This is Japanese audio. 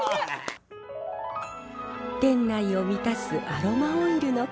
店内を満たすアロマオイルの香り。